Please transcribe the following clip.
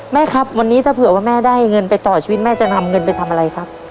แม่ครับวันนี้ถ้าเผื่อว่าแม่ได้เงินไปต่อชีวิตแม่จะนำเงินไปทำอะไรครับ